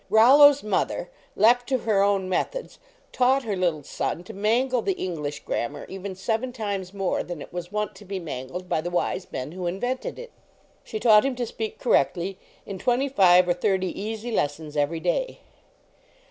Rollo s mother, left to her own methods, taught her little son to mangle the English grammar even seven times more than it was wont to be mangled by the wise men who invented it. She taught him to speak correctly in twenty five or thirty easy lessons every day.